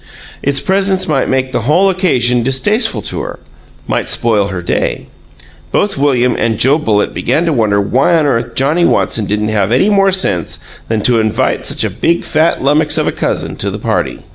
Its presence might make the whole occasion distasteful to her might spoil her day. Both William and Joe Bullitt began to wonder why on earth Johnnie Watson didn't have any more sense than to invite such a big, fat lummox of a cousin to the party.